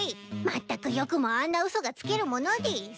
まったくよくもあんな嘘がつけるものでぃす。